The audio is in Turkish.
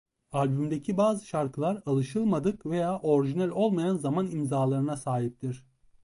Albümdeki bazı şarkılar alışılmadık veya orijinal olmayan zaman imzalarına sahiptir.